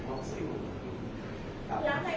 แต่ว่าไม่มีปรากฏว่าถ้าเกิดคนให้ยาที่๓๑